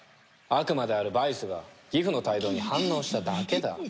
悪魔であるバイスがギフの胎動に反応しただけだ。